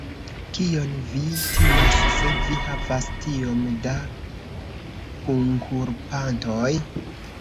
Kion vi timas, se vi havas tiom da kunkulpantoj?